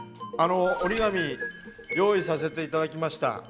折り紙用意させて頂きました。